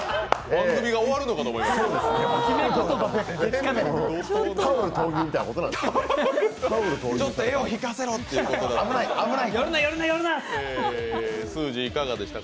番組が終わるのかと思いました。